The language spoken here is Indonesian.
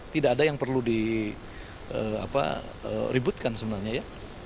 tidak ada yang perlu diributkan sebenarnya ya